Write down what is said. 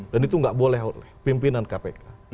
dan itu gak boleh oleh pimpinan kpk